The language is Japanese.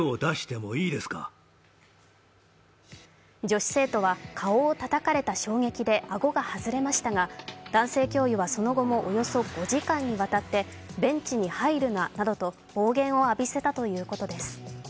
女子生徒は顔をたたかれた衝撃で顎が外れましたが男性教諭は、その後もおよそ５時間にわたってベンチに入るななどと暴言を浴びせたということです。